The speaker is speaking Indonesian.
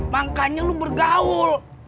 makanya lu bergaul